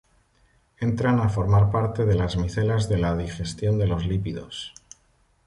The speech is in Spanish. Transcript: Entran a formar parte de las micelas de la digestión de los lípidos.